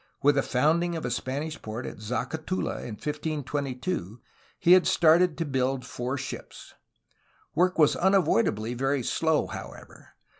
With the founding of a Spanish port at Zacatula in 1522, he had started to build four ships. Work was una voidably very slow, however.